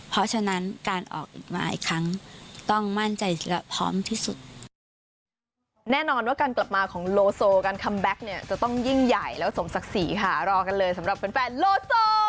เพราะฉะนั้นการออกอีกหลายครั้งต้องมั่นใจและพร้อมที่สุด